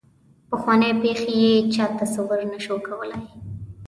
پخوانۍ پېښې یې چا تصور نه شو کولای.